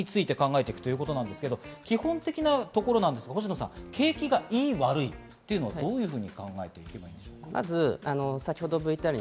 まず景気について考えていくということですけど、基本的なところですけど星野さん、景気が良い悪いというのは、どういうふうに考えていけばいいんでしょうか？